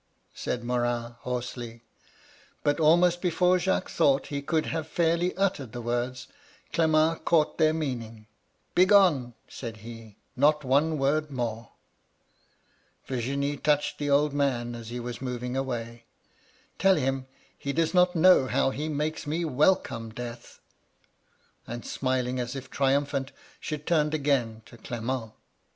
said Morin, hoarsely. '^^ But almost before Jacques thought he could have fairly uttered the words, Clement caught their meaning. "* Begone 1' said he ;* not one word more.' Virginie touched the old man as he was moving away. * Tell him he does not know how he makes me welcome Death.' And smiling, as if triumphant, she turned again to Clement.